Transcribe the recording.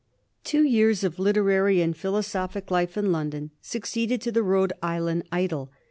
Two years of literary and philosophic life in London suc ceeded to the Rhode Island idyl.